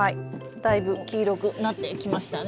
だいぶ黄色くなってきましたね。